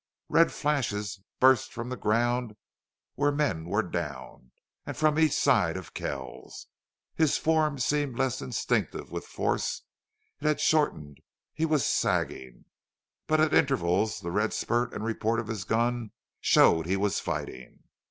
Red flashes burst from the ground where men were down, and from each side of Kells. His form seemed less instinct with force; it had shortened; he was sagging. But at intervals the red spurt and report of his gun showed he was fighting.